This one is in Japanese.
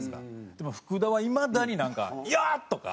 でも福田はいまだになんか「よっ！」とか。